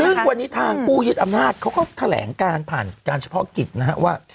ซึ่งวันนี้ทางผู้ยึดอำนาจเขาก็แถลงการผ่านการเฉพาะกิจนะฮะว่า